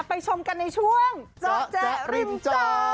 ชมกันในช่วงเจาะแจ๊ริมจอ